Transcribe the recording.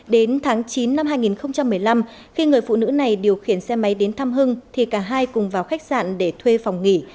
đến tháng chín năm hai nghìn một mươi năm khi người phụ nữ này điều khiển xe máy đến thăm hưng thì cả hai cùng vào khách sạn để thuê phòng nghỉ